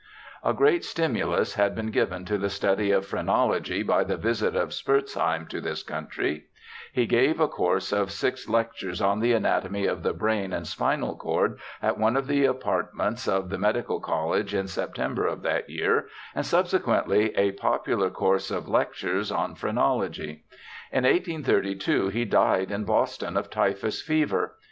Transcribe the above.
A great stimulus had been given to the study of phrenology by the visit of Spurzheim to this country. I30 BIOGRAPHICAL ESSAYS He gave a course of six lectures on the anatomy of the brain and spinal cord at one of the apartments of the Medical College in September of that year, and subse quently a popular course of lectures on phrenology. In 1832 he died in Boston of typhus fever.